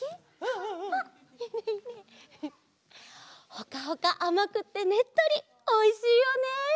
ほかほかあまくってねっとりおいしいよね。